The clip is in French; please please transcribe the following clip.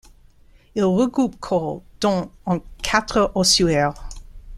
Il regroupe corps dont en quatre ossuaires.